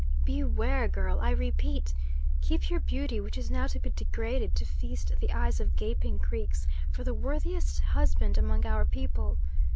Beware, girl, I repeat! Keep your beauty, which is now to be degraded to feast the eyes of gaping Greeks, for the worthiest husband among our people.